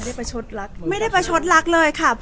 แต่ว่าสามีด้วยคือเราอยู่บ้านเดิมแต่ว่าสามีด้วยคือเราอยู่บ้านเดิม